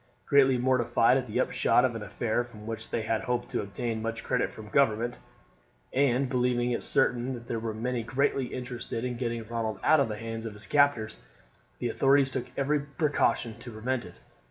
Greatly mortified at the upshot of an affair from which they had hoped to obtain much credit from government, and believing it certain that there were many greatly interested in getting Ronald out of the hands of his captors, the authorities took every precaution to prevent it.